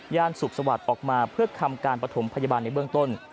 สุขสวัสดิ์ออกมาเพื่อทำการประถมพยาบาลในเบื้องต้น